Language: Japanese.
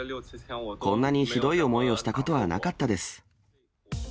こんなにひどい思いをしたことはなかったです。